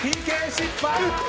ＰＫ失敗！